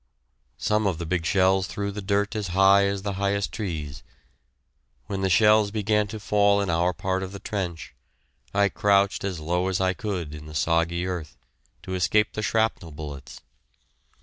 Some of the big shells threw the dirt as high as the highest trees. When the shells began to fall in our part of the trench, I crouched as low as I could in the soggy earth, to escape the shrapnel bullets.